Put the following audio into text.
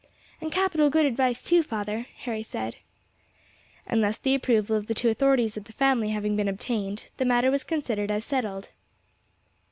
"And capital good advice too, father," Harry said. And thus the approval of the two authorities of the family having been obtained, the matter was considered as settled.